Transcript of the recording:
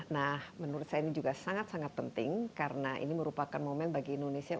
nah menurut saya ini juga sangat sangat penting karena ini merupakan momen bagi indonesia